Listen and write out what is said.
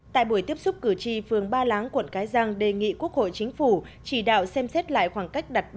tại buổi tiếp xúc cử tri phường ba láng quận cái răng đề nghị quốc hội chính phủ chỉ đạo xem xét lại khoảng cách